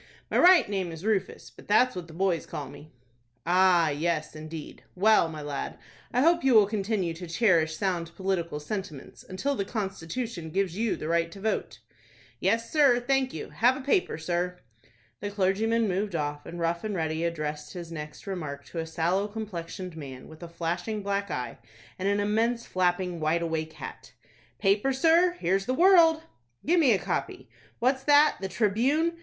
"My right name is Rufus; but that's what the boys call me." "Ah, yes, indeed. Well, my lad, I hope you will continue to cherish sound political sentiments until the constitution gives you the right to vote." "Yes, sir, thank you.—Have a paper, sir?" The clergyman moved off, and Rough and Ready addressed his next remark to a sallow complexioned man, with a flashing black eye, and an immense flapping wide awake hat. "Paper, sir? Here's the 'World'!" "Give me a copy. What's that,—the 'Tribune'!